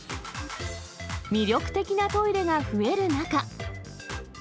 魅力的なトイレが増える中。